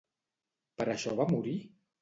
Per això va morir?